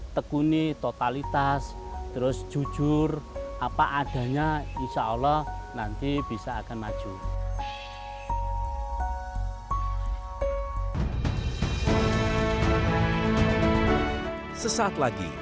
tekuni totalitas terus jujur apa adanya insya allah nanti bisa akan maju sesaat lagi